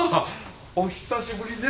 お久しぶりです